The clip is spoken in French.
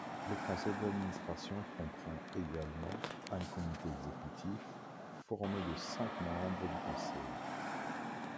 Le conseil d'administration comprend également un comité exécutif, formé de cinq membres du conseil.